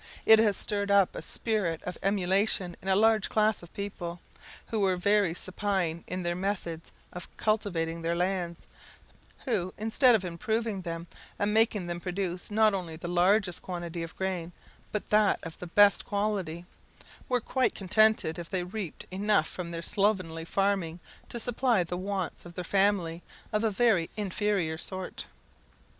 It has stirred up a spirit of emulation in a large class of people, who were very supine in their method of cultivating their lands; who, instead of improving them, and making them produce not only the largest quantity of grain, but that of the best quality, were quite contented if they reaped enough from their slovenly farming to supply the wants of their family, of a very inferior sort.